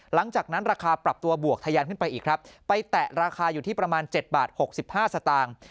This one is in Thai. หลังจากนั้นราคาปรับตัวบวกทะยานขึ้นไปอีกครับไปแตะราคาอยู่ที่ประมาณ๗บาท๖๕สตางค์